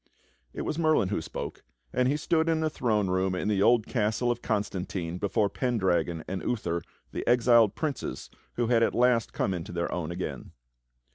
It was Merlin who spoke, and he stood in the throne room in the old castle of Constantine, before Pendragon and Uther, the exiled princes who had at last come into their own again.